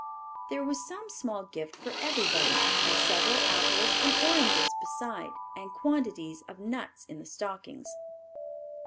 There was some small gift for everybody and several apples and oranges besides, and quantities of nuts in the stockings.